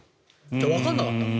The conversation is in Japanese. で、わからなかった。